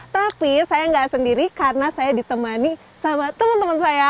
tapi saya nggak sendiri karena saya ditemani sama teman teman saya